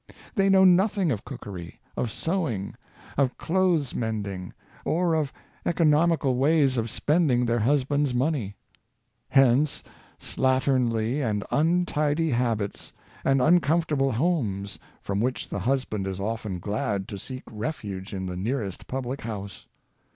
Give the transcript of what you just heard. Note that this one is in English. They know nothing of cookery, of sewing, of clothes mend ing, or of economical ways of spending their husbands' money. Hence, slatternly and untidy habits, and un comfortable homes, from which the husband is often glad to seek refuge in the nearest public house.